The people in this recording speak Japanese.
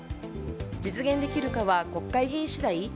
実現できるかは国会議員次第？